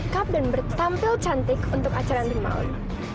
lekap dan bertampil cantik untuk acara nanti malam